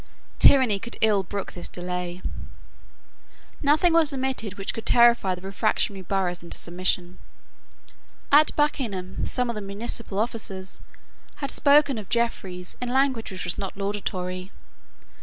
Tyranny could ill brook this delay. Nothing was omitted which could terrify the refractory boroughs into submission. At Buckingham some of the municipal officers had spoken of Jeffreys in language which was not laudatory.